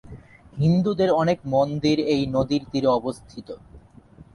হিন্দুদের অনেক মন্দির এই নদীর তীরে অবস্থিত।